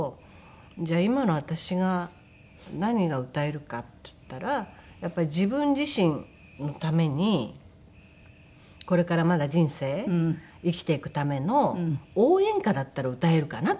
じゃあ今の私が何が歌えるかっていったらやっぱり自分自身のためにこれからまだ人生生きていくための応援歌だったら歌えるかなと思ったんです。